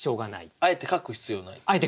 あえて書く必要ないと。